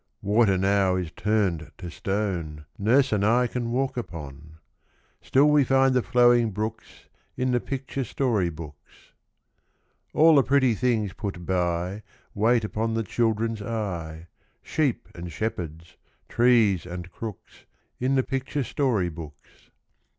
Water now is turned to stone Nurse and I can walk upon; Still we find the flowing brooks In the picture story books. All the pretty things put by, Wait upon the children's eye, Sheep and shepherds, trees and crooks, In the picture story books.